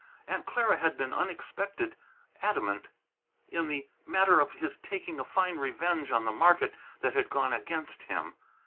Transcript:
Aunt Clara had been unexpected adamant in the matter of his taking a fine revenge on the market that had gone against him.